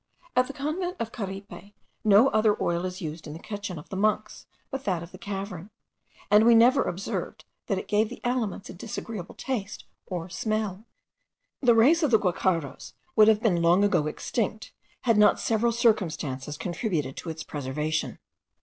At the convent of Caripe no other oil is used in the kitchen of the monks but that of the cavern; and we never observed that it gave the aliments a disagreeable taste or smell. The race of the guacharos would have been long ago extinct, had not several circumstances contributed to its preservation.